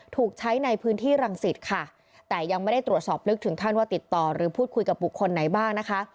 ถูกใช้ในพื้นที่รังสิตค่ะแต่ยังไม่ได้ตรวจสอบลึกถึงขั้นว่าติดต่อหรือพูดคุยกับบุคคลไหนบ้างนะคะ